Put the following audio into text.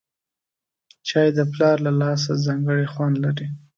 چای د پلار له لاسه ځانګړی خوند لري